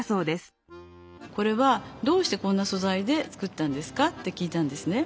「これはどうしてこんなそざいで作ったんですか？」って聞いたんですね。